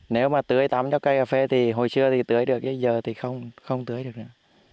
nếu mà tưới tắm cho cây cà phê thì hồi xưa thì tưới được cái giờ thì không tưới được nữa